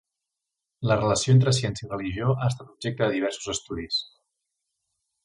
La relació entre ciència i religió ha estat objecte de diversos estudis.